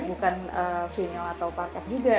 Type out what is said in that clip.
bukan sinyal atau paket juga